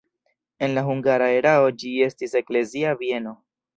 En la hungara erao ĝi estis eklezia bieno.